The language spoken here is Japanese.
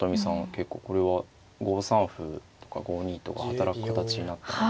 結構これは５三歩とか５二とが働く形になったので。